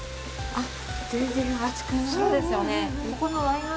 あっ！